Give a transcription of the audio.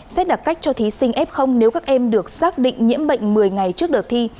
xét đặc cách cho thí sinh f nếu các em được xác định nhiễm bệnh một mươi ngày trước đợt thi